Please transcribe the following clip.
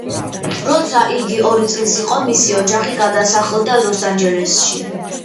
როცა იგი ორი წლის იყო მისი ოჯახი გადასახლდა ლოს-ანჯელესში.